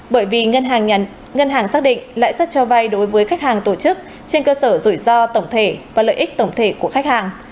bởi vì ngân hàng xác định lãi suất cho vay đối với khách hàng tổ chức trên cơ sở rủi ro tổng thể và lợi ích tổng thể của khách hàng